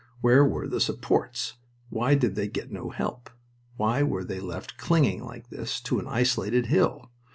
Where were the supports? Why did they get no help? Why were they left clinging like this to an isolated hill?